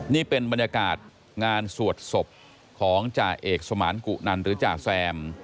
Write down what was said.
นี่เป็นบรรยากาศงานสวดศพของจ่าเอกสมานกุนันหรือจ่าแซม